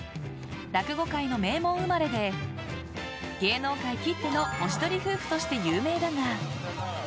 落語界の名門生まれで芸能界きってのおしどり夫婦として有名だが。